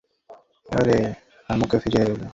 গুরু এসে শাস্ত্রের শ্লোক আওড়ালেন, মুখ ফিরিয়ে রইলেন।